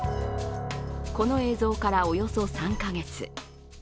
この映像から、およそ３か月。